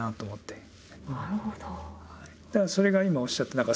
なるほど。